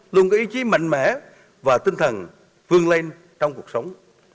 luôn có ý chí mạnh mẽ và tinh thần phương lên trong cuộc sống